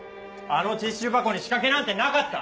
あのティッシュ箱に仕掛けなんてなかった！